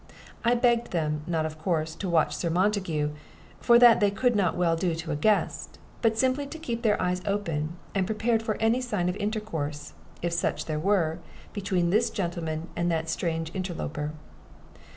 I begged them, not of course to watch Sir Montague, for that they could not well do to a guest, but simply to keep their eyes open and prepared for any sign of intercourse, if such there were, between this gentleman and that strange interloper.